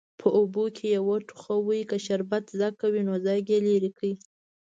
په اوبو کې وخوټوئ که شربت ځګ کوي نو ځګ یې لرې کړئ.